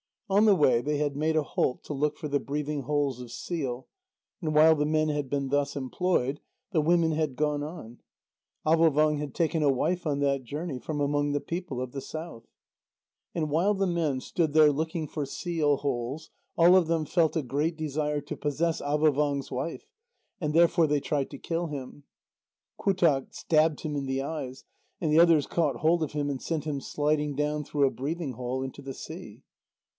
On the way, they had made a halt to look for the breathing holes of seal, and while the men had been thus employed, the women had gone on. Avôvang had taken a wife on that journey, from among the people of the south. And while the men stood there looking for seal holes, all of them felt a great desire to possess Avôvang's wife, and therefore they tried to kill him. Qautaq stabbed him in the eyes, and the others caught hold of him and sent him sliding down through a breathing hole into the sea.